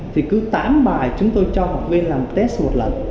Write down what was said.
thì cứ tám bài chúng tôi cho học viên làm test một lần